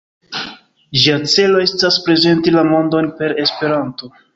Ĝia celo estas "prezenti la mondon per Esperanto".